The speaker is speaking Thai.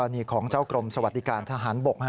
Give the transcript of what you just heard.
นี่ของเจ้ากรมสวัสดิการทหารบก